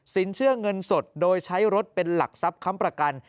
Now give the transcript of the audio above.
เชื่อเงินสดโดยใช้รถเป็นหลักทรัพย์ค้ำประกัน